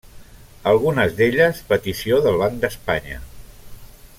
Algunes d'elles petició del Banc d'Espanya.